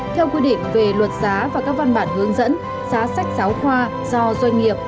theo quy định về luật giá và các văn bản hướng dẫn giá sách giáo khoa do doanh nghiệp